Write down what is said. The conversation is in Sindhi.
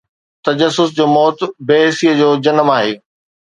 تجسس جو موت بي حسيءَ جو جنم آهي.